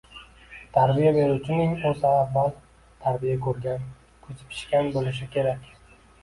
Tarbiya beruvchining o‘zi avval tarbiya ko‘rgan, ko‘zi pishgan bo‘lishi kerak.